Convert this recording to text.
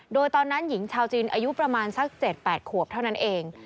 โดยตอนนั้นหญิงชาวจีนอายุประมาณสัก๗๘ขวบเท่านั้นเอง